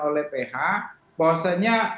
oleh ph bahwasannya